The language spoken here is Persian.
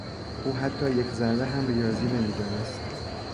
او حتی یک ذره هم ریاضی نمیدانست.